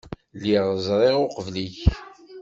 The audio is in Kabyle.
Lliɣ ẓriɣ uqbel-ik.